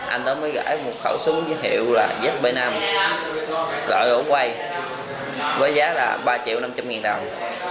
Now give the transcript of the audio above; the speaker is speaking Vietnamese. anh đó mới gửi một khẩu súng với hiệu là zb năm gọi ổn quay với giá là ba triệu năm trăm linh nghìn đồng